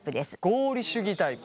合理主義タイプ。